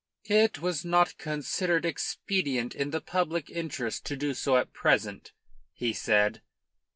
"It was not considered expedient in the public interest to do so at present," he said.